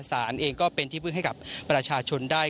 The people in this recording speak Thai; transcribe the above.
สารเองก็เป็นที่พึ่งให้กับประชาชนได้